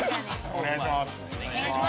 お願いします。